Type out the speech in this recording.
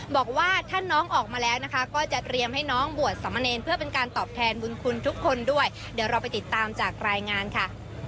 บอกว่าถ้าน้องออกมาแล้วนะคะก็จะเตรียมให้น้องบวชสมเนรเพื่อเป็นการตอบแทนบุญคุณทุกคนด้วยเดี๋ยวเราไปติดตามจากรายงานค่ะ